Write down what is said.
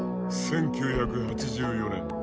１９８４年